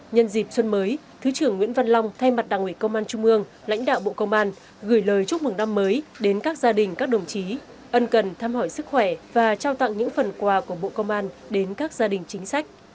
nhân dịp xuân mới thứ trưởng nguyễn văn long thay mặt đảng ủy công an trung ương lãnh đạo bộ công an gửi lời chúc mừng năm mới đến các gia đình các đồng chí ân cần thăm hỏi sức khỏe và trao tặng những phần quà của bộ công an đến các gia đình chính sách